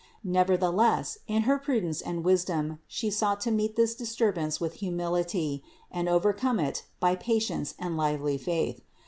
Nevertheless, in her prudence and wisdom, She sought to meet this disturbance with humility, and overcome it by patience and lively faith.